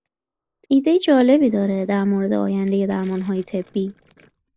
ایده جالبی داره در مورد آینده درمانهای طبی